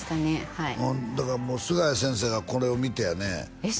はいだからもう菅谷先生がこれを見てやねえっ